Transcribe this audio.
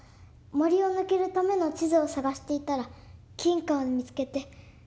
森を抜けるための地図を探していたら金貨を見つけて。